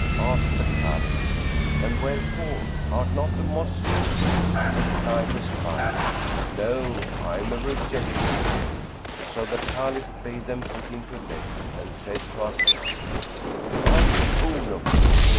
Asked the Caliph "And wherefore? Art not a Moslem?" Replied the spy; "No' I am a Rejecter.''[FN#113] So the Caliph bade them put him to death and said to Aslan, "Ask a boon of me."